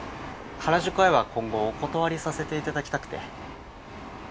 『原宿アイ』は今後お断りさせていただきたくて。